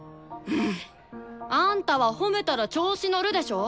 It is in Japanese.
あんたは褒めたら調子乗るでしょ。